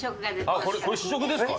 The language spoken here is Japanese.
これ試食ですか？